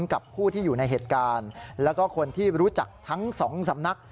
กับผู้ที่อยู่ในเหตุการณ์แล้วก็คนที่รู้จักทั้งสองสำนัก